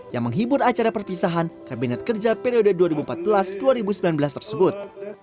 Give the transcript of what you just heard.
yang menghibur acara perpisahan kabinet kerja periode dua ribu empat belas dua ribu sembilan belas tersebut